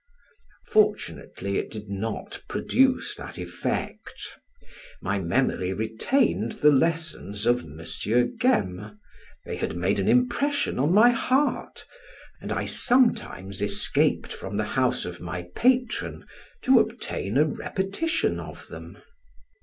Fortunately, it did not produce that effect; my memory retained the lessons of M. Gaime, they had made an impression on my heart, and I sometimes escaped from the house of my patron to obtain a repetition of them.